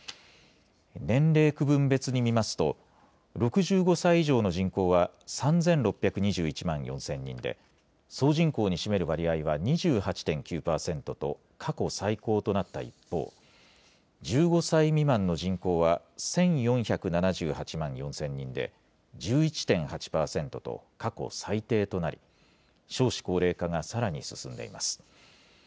年齢区分別に見ますと、６５歳以上の人口は３６２１万４０００人で、総人口に占める割合は２８．９％と過去最高となった一方、１５歳未満の人口は１４７８万４０００人で１１．８％と、過去最低となり、少子高齢化がさらに進んでいます。